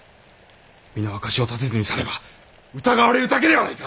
身の証しを立てずに去れば疑われるだけではないか！